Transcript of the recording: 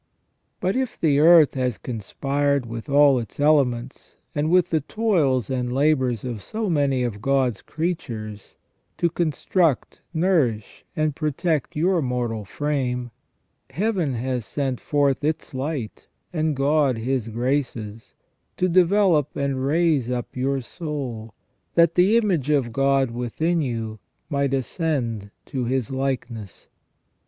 But if the earth has conspired with all its elements, and with the toils and labours of so many of God's creatures, to construct, nourish, and protect your mortal frame, Heaven has sent forth its light, and God His graces, to develop and raise up your soul, that the image of God within you might ascend to His likeness.